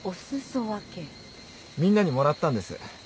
みんなにもらったんです。